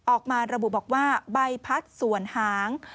ออกมาระบุบอกว่าใบพัดส่วนหาง